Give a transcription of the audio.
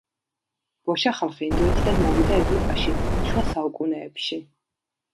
ბოშა ხალხი ინდოეთიდან მოვიდა ევროპაში შუა საუკუნეებში.